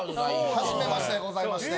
はじめましてでございまして。